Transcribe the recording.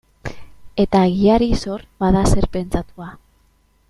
Eta egiari zor, bada zer pentsatua.